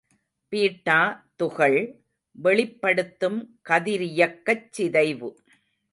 Beta துகள் வெளிப்படுத்தும் கதிரியக்கச் சிதைவு.